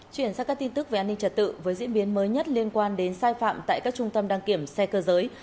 chuyển sang các tin tức về an ninh trật tự với diễn biến mới nhất liên quan đến sai phạm tại các trung tâm đăng kiểm xe cơ giới